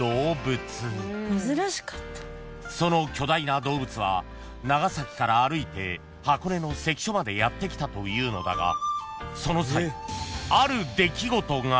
［その巨大な動物は長崎から歩いて箱根の関所までやって来たというのだがその際］